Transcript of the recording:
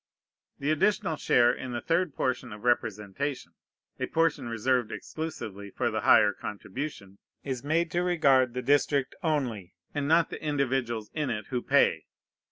The additional share in the third portion of representation (a portion reserved exclusively for the higher contribution) is made to regard the district only, and not the individuals in it who pay.